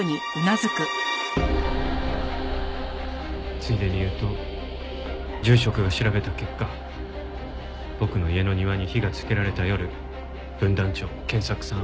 ついでに言うと住職が調べた結果僕の家の庭に火がつけられた夜分団長賢作さん森野さん